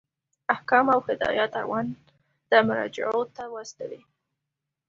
احکام او هدایات اړونده مرجعو ته واستوئ.